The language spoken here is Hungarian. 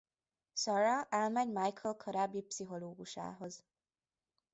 Sara elmegy Michael korábbi pszichológusához.